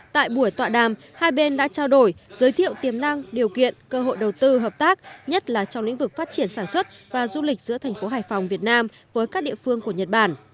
tại buổi tọa đàm hai bên đã trao đổi giới thiệu tiềm năng điều kiện cơ hội đầu tư hợp tác nhất là trong lĩnh vực phát triển sản xuất và du lịch giữa thành phố hải phòng việt nam với các địa phương của nhật bản